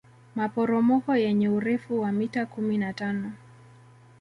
maporomoko yenye urefu wa mita kumi na tano